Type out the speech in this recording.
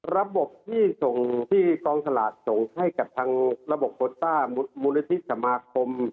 ระบบที่กองสลาดส่งให้กับทางระบบโปรต้ามูลนาทิตย์สมาคม